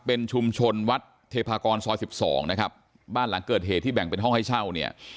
เป็นชุมชนวัดเทพากรซอยสิบสองนะครับบ้านหลังเกิดเหตุที่แบ่งเป็นห้องให้เช่าเนี่ย